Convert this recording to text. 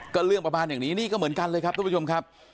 ก็เรื่องประมาณเรื่องนี้ว่านี้ก็เหมือนกันเลยทุกผู้ชมครับ